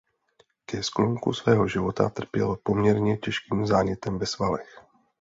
Ke sklonku svého života trpěl poměrně těžkým zánětem ve svalech.